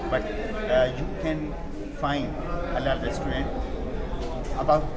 tapi kamu bisa menemukan restoran halal